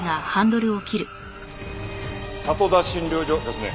里田診療所ですね。